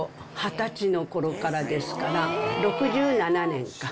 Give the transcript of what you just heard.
２０歳のころからですから、６７年か。